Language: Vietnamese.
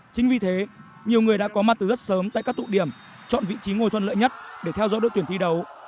chính vì thế nhiều người đã có mặt từ rất sớm tại các tụ điểm chọn vị trí ngồi thuận lợi nhất để theo dõi đội tuyển thi đấu